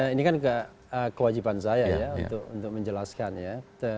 ini kan kewajiban saya ya untuk menjelaskan ya